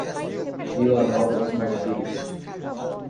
Vila Nova dos Martírios